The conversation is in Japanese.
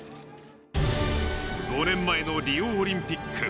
５年前のリオオリンピック。